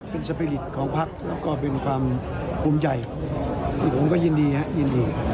เป็นสปีริตของพักแล้วก็เป็นความภูมิใจผมก็ยินดียินดี